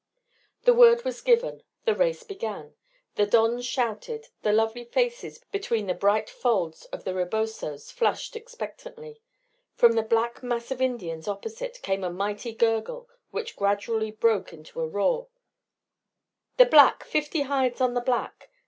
The word was given. The race began. The dons shouted, the lovely faces between the bright folds of the rebosos flushed expectantly. From the black mass of Indians opposite came a mighty gurgle, which gradually broke into a roar, "The black! Fifty hides on the black!"